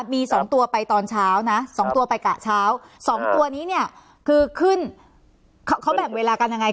มีสองตัวไปตอนเช้านะสองตัวไปกะเช้าสองตัวนี้เนี่ยคือขึ้นเขาแบ่งเวลากันยังไง